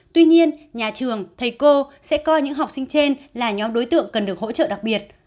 tuy nhiên nhà trường thầy cô sẽ coi những học sinh trên là nhóm đối tượng cần được hỗ trợ đặc biệt